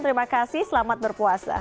terima kasih selamat berpuasa